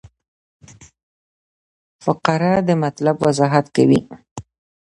فقره د مطلب وضاحت کوي.